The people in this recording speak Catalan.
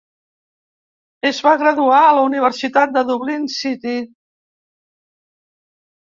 Es va graduar a la Universitat de Dublin City.